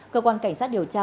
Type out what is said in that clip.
cơ quan cảnh sát điều tra